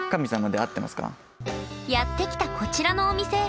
やって来たこちらのお店。